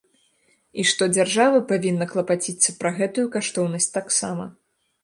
І што дзяржава павінна клапаціцца пра гэтую каштоўнасць таксама.